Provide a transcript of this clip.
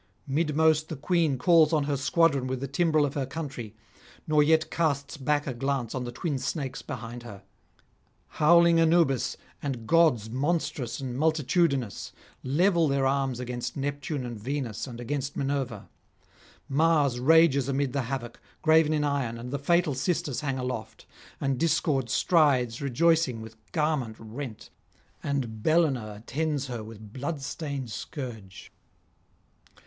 Midmost the Queen calls on her squadron with the timbrel of her country, nor yet casts back a glance on the twin snakes behind her. Howling Anubis, and gods monstrous and multitudinous, level their arms against Neptune and Venus and against Minerva; Mars rages amid the havoc, graven in iron, and the Fatal Sisters hang aloft, and Discord strides rejoicing with garment rent, and Bellona attends her with blood stained scourge.